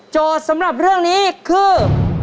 โจทย์สำหรับเรื่องนี้คือ